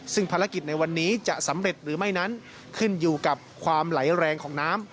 สวัสดีค่ะ